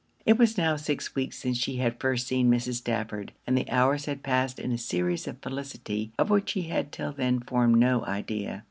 It was now six weeks since she had first seen Mrs. Stafford, and the hours had passed in a series of felicity of which she had 'till then formed no idea.